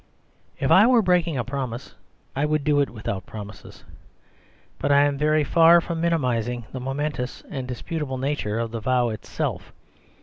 If I were breaking a promise, I would do it without promises. But I am very far from minimising the momentous and disputable nature of the vow itself.